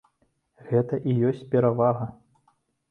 Гэта і ёсць перавага.